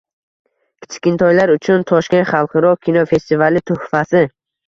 Kichkintoylar uchun Toshkent xalqaro kinofestivali tuhfasi